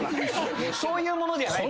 そういうものじゃない。